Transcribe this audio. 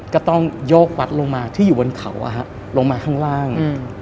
ก็ต้องโยกวัดลงมาที่อยู่บนเขาลงมาข้างล่าง